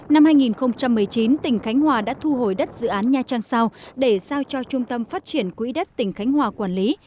năm hai nghìn một mươi chín tỉnh khánh hòa đã thu hồi đất dự án nha trang sao để giao cho trung tâm phát triển quỹ đất tỉnh khánh hòa quản lý